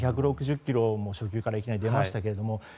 １６０キロも初球からいきなり出ましたけども。